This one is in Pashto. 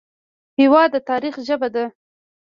هېواد د تاریخ ژبه ده.